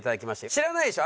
知らないでしょ？